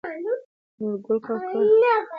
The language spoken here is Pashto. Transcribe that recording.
نورګل کاکا: هو خورې خېرخېرت دى.